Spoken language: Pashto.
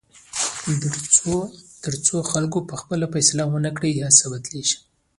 تر څو خلک پخپله فیصله ونه کړي، هیڅ بدلېږي.